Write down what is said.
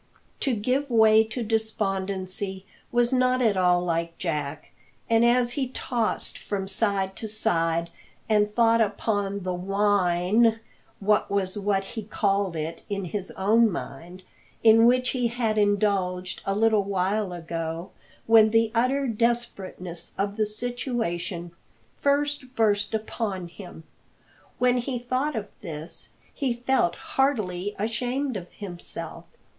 To give way to despondency was not at all like Jack; and as he tossed from side to side and thought upon the "whine" (that was what he called it, in his own mind) in which he had indulged a little while ago when the utter desperateness of the situation first burst upon him when he thought of this, he felt heartily ashamed of himself.